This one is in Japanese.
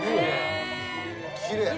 きれい。